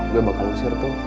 gue bakal lusur tuh